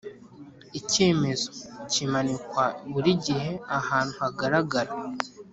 Icyemezo kimanikwa buri gihe ahantu hagaraga